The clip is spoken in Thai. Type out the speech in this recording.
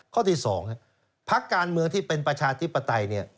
ข้อที่๒พักการเมืองที่เป็นประชาธิปไตยเนี่ย